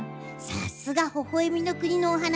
さすがほほえみの国のお話。